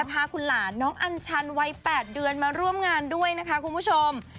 พาคุณหลานน้องอัญชันวัย๘เดือนมาร่วมงานด้วยนะคะคุณผู้ชม